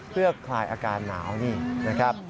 เพื่อไขลอาการหนาวนะครับ